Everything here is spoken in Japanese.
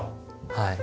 はい。